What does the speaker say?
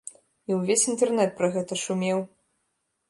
І ўвесь інтэрнэт пра гэта шумеў.